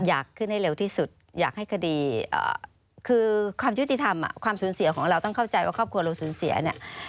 อยากขึ้นให้เร็วที่สุดอยากให้คดีคือความยุติธรรมความสูญเสียของเราต้องเข้าใจว่าครอบครัวเราสูญเสียเนี่ย